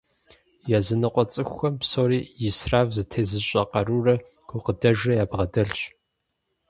Языныкъуэ цӏыхухэм псори исраф зытезыщӏэ къарурэ гукъыдэжрэ ябгъэдэлъщ.